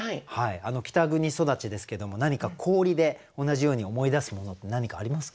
北国育ちですけども何か氷で同じように思い出すものって何かありますか？